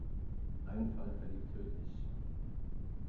Ein Fall verlief tödlich.